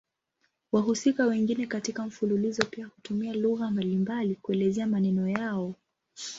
Wahusika wengine katika mfululizo pia hutumia lugha mbalimbali kuelezea maneno yao.